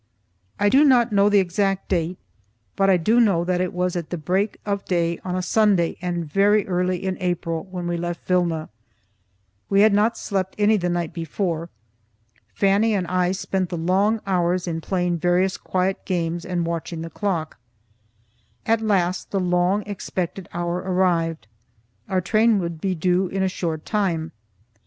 I do not know the exact date, but I do know that it was at the break of day on a Sunday and very early in April when we left Vilna. We had not slept any the night before. Fannie and I spent the long hours in playing various quiet games and watching the clock. At last the long expected hour arrived; our train would be due in a short time.